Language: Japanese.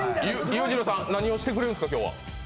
勇次郎さん、何をしてくれるんですか、今日は。